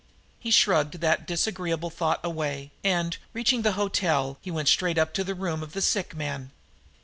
He shrugged that disagreeable thought away, and, reaching the hotel, he went straight up to the room of the sick man.